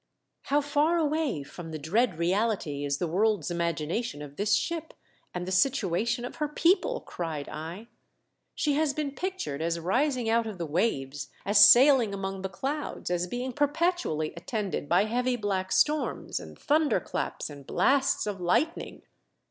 " How far away from the dread reality is the world's imagination of this ship, and the situation of her people!" cried I. " She has been pictured as rising out of the waves, as sailing among the clouds, as being perpetually attended by heavy black storms, and thunder claps and blasts of lightning